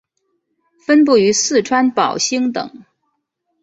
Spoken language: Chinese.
分布于四川宝兴等。